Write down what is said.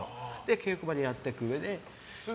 稽古場でやっていくうえで。